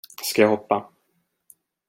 Ska jag hoppa?